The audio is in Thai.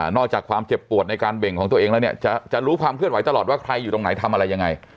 อกจากความเจ็บปวดในการเบ่งของตัวเองแล้วเนี่ยจะรู้ความเคลื่อนไหวตลอดว่าใครอยู่ตรงไหนทำอะไรยังไง